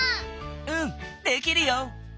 うんできるよ。